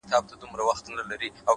هره هڅه د بریا نښه پرېږدي؛